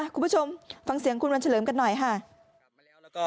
คุณผู้ชมฟังเสียงคุณวันเฉลิมกันหน่อยค่ะ